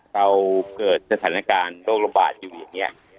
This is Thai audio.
เราเกิดสถานการณ์โรคระบาดอยู่อย่างนี้